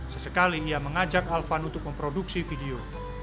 sesekali ia mengajak alvan untuk memproduksi video